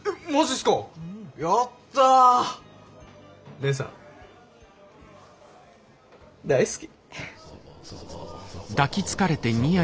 ねえさん大好き！